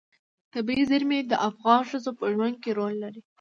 طبیعي زیرمې د افغان ښځو په ژوند کې رول لري.